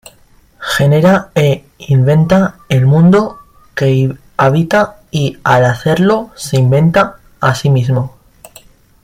Genera e inventa el mundo que habita y al hacerlo se inventa así mismo.